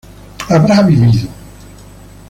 habrá vivido